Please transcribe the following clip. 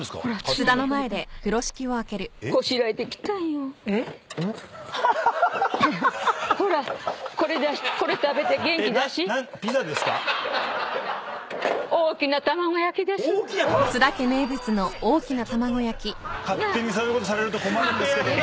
ちょっと勝手にそういうことされると困るんですけども。